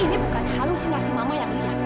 ini bukan halusinasi mama yang liar